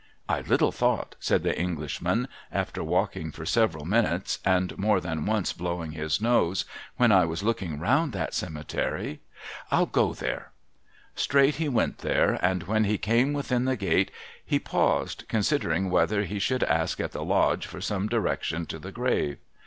' I little thought,' said the Englishman, after walking for several minutes, and more than once blowing his nose, ' when I was looking round that cemetery — I'll go there !' Straight he went there, and when he came within the gate he paused, considering whether he should ask at the lodge for some direction to the grave.